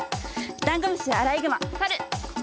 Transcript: ダンゴムシアライグマサル！